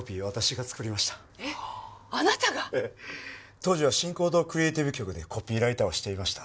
当時は信広堂クリエイティブ局でコピーライターをしていました。